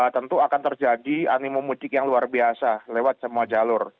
tentu akan terjadi animum mudik yang luar biasa lewat semua jalur